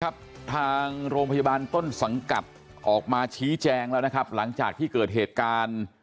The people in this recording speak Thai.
ทางโรงพยาบาลต้นสังกัดออกมาชี้แจงแล้วนะครับหลังจากที่เกิดเหตุการณ์